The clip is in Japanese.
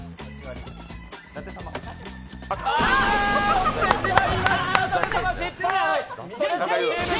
落ちてしまいました失敗。